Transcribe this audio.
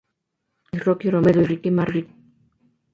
Perkins, Rocky Romero y Ricky Marvin.